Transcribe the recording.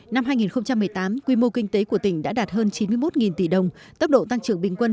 năm hai nghìn một mươi tám quy mô kinh tế của tỉnh đã đạt hơn chín mươi một tỷ đồng tốc độ tăng trưởng bình quân